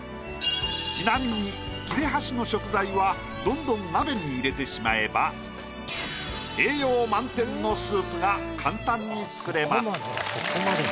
ちなみに切れ端の食材はどんどん鍋に入れてしまえば簡単に作れます。